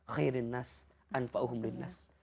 khairun nas anfa'uhum rinnas